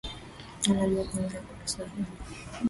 Anajua kuongea kwa kiswahili